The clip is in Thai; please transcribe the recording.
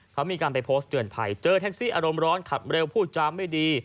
เขามีการไปโพสต์เตือนภัยเจอแท็กซี่อารมณ์ร้อนขับเร็วพูดจาไม่ดี